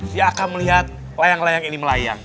dia akan melihat layang layang ini melayang